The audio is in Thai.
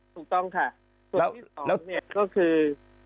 ถูกต้องค่ะส่วนที่สองเนี่ยก็คือ